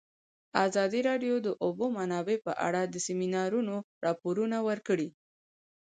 ازادي راډیو د د اوبو منابع په اړه د سیمینارونو راپورونه ورکړي.